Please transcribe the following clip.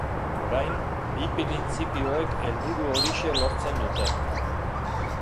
Orain, bi printzipioek helburu horixe lortzen dute.